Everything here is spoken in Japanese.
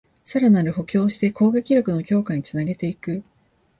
さらなる補強をして攻撃力の強化につなげていく